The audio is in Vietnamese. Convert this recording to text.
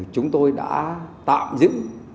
chúng tôi đã tạm giữ